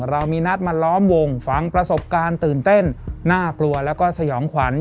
เรามีนัดมาล้อมวงฟังประสบการณ์ตื่นเต้นน่ากลัวแล้วก็สยองขวัญ